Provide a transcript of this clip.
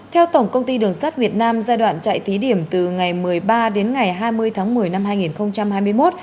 theo tổng công ty đường sắt việt nam giai đoạn chạy thí điểm từ ngày một mươi ba đến ngày hai mươi tháng một mươi năm hai nghìn hai mươi một